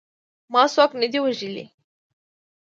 ما څوک نه دي وژلي.